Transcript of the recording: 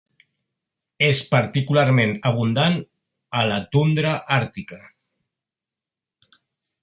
És particularment abundant a la tundra àrtica.